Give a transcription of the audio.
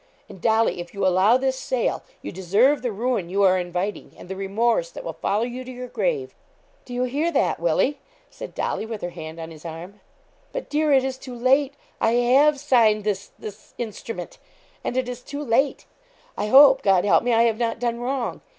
And, Dolly, if you allow this sale, you deserve the ruin you are inviting, and the remorse that will follow you to your grave.' 'Do you hear that, Willie?' said Dolly, with her hand on his arm. 'But, dear, it is too late I have signed this this instrument and it is too late. I hope God help me I have not done wrong.